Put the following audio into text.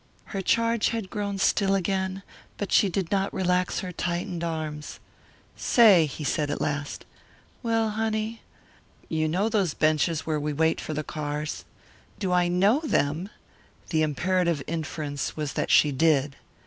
Her charge had grown still again, but she did not relax her tightened arms. "Say," he said at last. "Well, honey." "You know those benches where we wait for the cars?" "Do I know them?" The imperative inference was that she did.